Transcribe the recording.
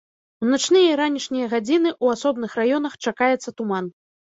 У начныя і ранішнія гадзіны ў асобных раёнах чакаецца туман.